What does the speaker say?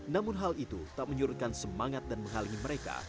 namun hal itu tak menyurutkan semangat dan menghalangi mereka